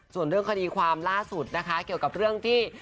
ส่วนเรื่องคดีความล่าสุดนะคะเกี่ยวกับเรื่องที่